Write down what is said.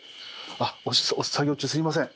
あっ作業中すいません。